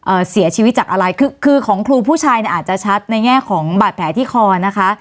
เสียชีวิตจากอะไรคือคือของครูผู้ชายเนี่ยอาจจะชัดในแง่ของบาดแผลที่คอนะคะ